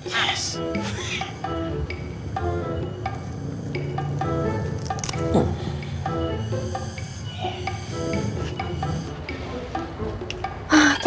ini saatnya uya untuk menghibur ayang kiki